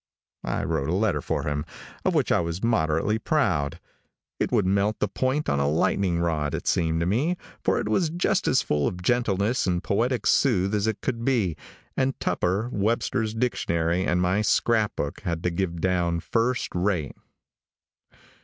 I wrote a letter for him, of which I was moderately proud. It would melt the point on a lightning rod, it seemed to me, for it was just as full of gentleness and poetic soothe as it could be, and Tupper, Webster's Dictionary and my scrap book had to give down first rate.